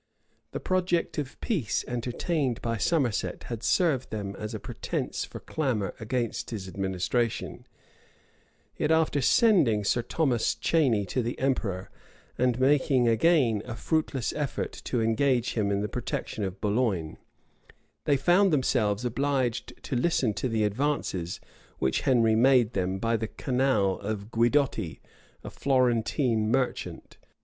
The project of peace entertained by Somerset had served them as a pretence for clamor against his administration; yet, after sending Sir Thomas Cheney to the emperor, and making again a fruitless effort to engage him in the protection of Boulogne, they found themselves obliged to listen to the advances which Henry made them, by the canal of Guidotti, a Florentine merchant.